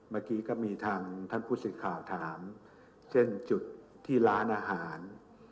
เมื่อกี้ก็มีทางท่านผู้สื่อข่าวถามเช่นจุดที่ร้านอาหาร